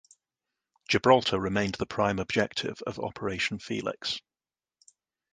Gibraltar remained the prime objective of Operation Felix.